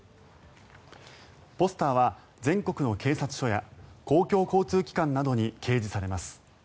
ポスターは全国の警察署や公共交通機関などに掲示されます。